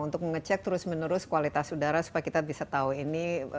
untuk mengecek terus menerus kualitas udara supaya kita bisa tahu ini